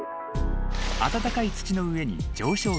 暖かい土の上に上昇気流。